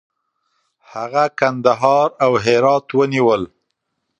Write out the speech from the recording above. هغه کندهار او هرات ونیول.